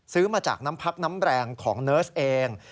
ซื้อมาจากน้ำพักน้ำแรงของเนิร์สเอง